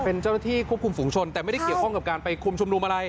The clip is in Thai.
เป็นเจ้าหน้าที่ควบคุมฝุงชนแต่ไม่ได้เกี่ยวข้องกับการไปคุมชุมนุมอะไร